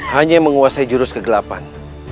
hanya menguasai jurus kegelapan